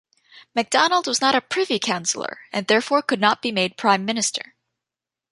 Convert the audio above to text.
MacDonald was not a Privy Councillor, and therefore could not be made Prime Minister.